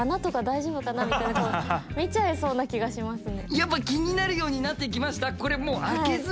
やっぱ気になるようになってきました？